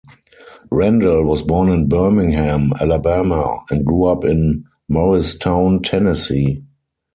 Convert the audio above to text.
Randall, was born in Birmingham, Alabama and grew up in Morristown, Tennessee.